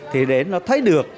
thì để nó thấy được